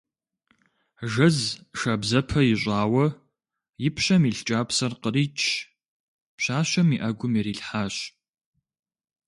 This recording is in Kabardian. Жэз шабзэпэ ищӀауэ и пщэм илъ кӀапсэр къричщ, пщащэм и Ӏэгум ирилъхьащ.